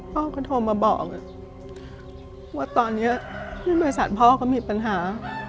พ่อก็โทรมาบอกว่าตอนนี้ที่บริษัทพ่อเขามีปัญหา